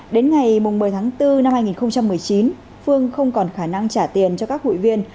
đến ngày một mươi tháng bốn năm hai nghìn một mươi chín phương không còn khả năng trả tiền cho các hụi viên